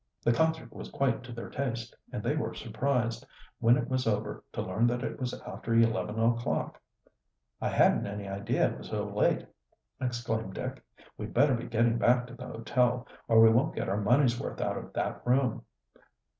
The concert was quite to their taste, and they were surprised, when it was over, to learn that it was after eleven o'clock. "I hadn't any idea it was so late," exclaimed Dick. "We'd better be getting back to the hotel, or we won't get our money's worth out of that room."